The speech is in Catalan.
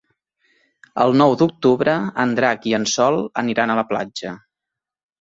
El nou d'octubre en Drac i en Sol aniran a la platja.